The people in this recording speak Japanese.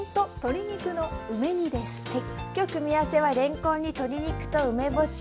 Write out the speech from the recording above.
今日組み合わせはれんこんに鶏肉と梅干し。